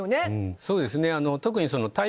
そうですね。